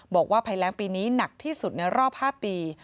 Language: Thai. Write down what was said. บอกว่าภัยแรงปีนี้หนักที่สุดในรอบ๕ปี